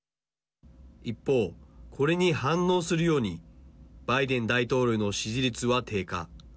一方、これに反応するようにバイデン大統領の支持率は低下。